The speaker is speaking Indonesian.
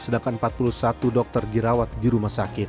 sedangkan empat puluh satu dokter dirawat di rumah sakit